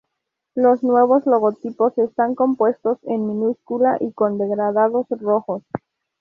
Los nuevos logotipos están compuestos en minúscula y con degradados rojos.